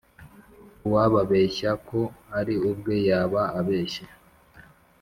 uwababeshya ko ari ku bwe yaba abeshye